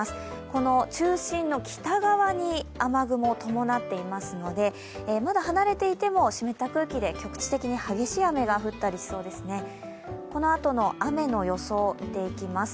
この中心の北側に雨雲を伴っていますのでまだ離れていいても湿った空気で局地的に激しい雨が降ったりしそうです。